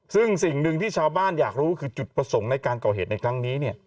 ซึ่งสิ่งหนึ่งที่ชาวบ้านอยากรู้คือจุดประสงค์ในการก่อเหตุในครั้งนี้